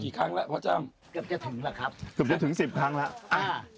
ครั้งแล้วพ่อจ้ำเกือบจะถึงแล้วครับเกือบจะถึงสิบครั้งแล้วอ่า